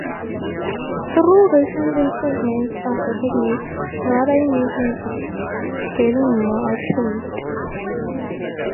Through recent improvements of the techniques, radar imaging is getting more accurate.